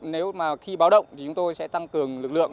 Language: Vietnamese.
nếu mà khi báo động thì chúng tôi sẽ tăng cường lực lượng